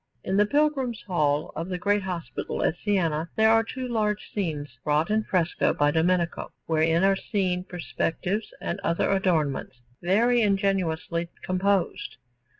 In the pilgrim's hall of the great hospital at Siena there are two large scenes, wrought in fresco by Domenico, wherein are seen perspectives and other adornments very ingeniously composed.